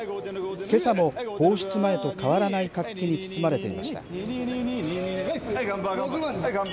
けさも放出前と変わらない活気に包まれていました。